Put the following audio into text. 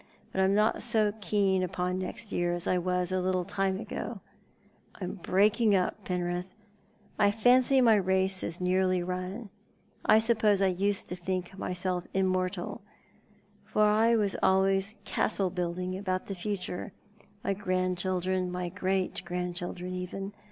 But I'm not so keen npon next year as I was a little time ago. I'm breaking up, Penrith. I fancy my race is nearly run. I suppose I used to think myself immortal, for I was always castle building about the future— my grandchildren — my great grandchildren even.